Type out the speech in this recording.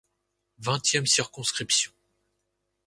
Vingtième circonscription.